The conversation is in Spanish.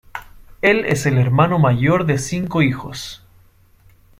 Él es el hermano mayor de cinco hijos.